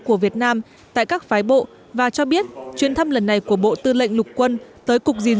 của việt nam tại các phái bộ và cho biết chuyến thăm lần này của bộ tư lệnh lục quân tới cục diện